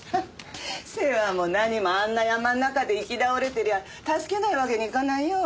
世話も何もあんな山ん中で行き倒れてりゃ助けないわけにいかないよ。